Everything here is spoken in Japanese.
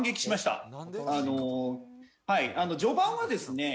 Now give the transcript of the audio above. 序盤はですね